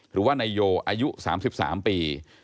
หรือว่านายโยอายุ๓๓ปี